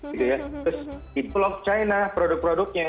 terus di vlog china produk produknya